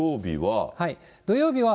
土曜日は？